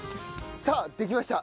さあできました。